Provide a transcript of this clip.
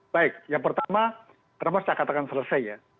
baik yang pertama terima kasih saya katakan selesai ya